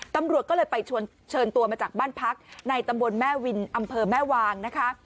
ตำรวจก็เลยไปเชิญตัวมาจากบ้านพักในตำบลแม่วินอำเภอแม่วางนะคะ